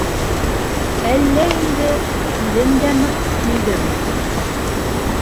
Әллә инде, үҙем дә ныҡ көйҙөм.